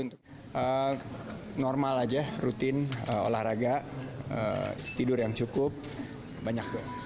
normal aja rutin olahraga tidur yang cukup banyak doang